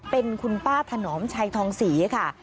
เป็นคุณป้าถนอมชัยทองศรีค่ะ